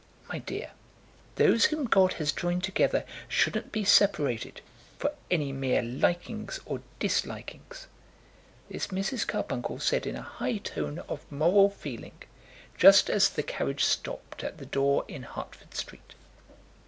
"My dear, those whom God has joined together shouldn't be separated, for any mere likings or dislikings." This Mrs. Carbuncle said in a high tone of moral feeling, just as the carriage stopped at the door in Hertford Street.